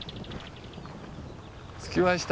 着きました。